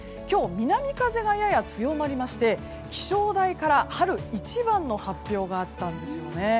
今日南風がやや強まりまして気象台から春一番の発表があったんです。